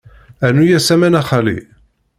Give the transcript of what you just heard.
Rnu-as aman a xali.